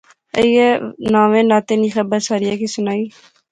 ایہہ ناوے ناطے نی خبر ساریاں کی سنائی